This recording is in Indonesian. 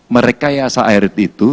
merekayasa air itu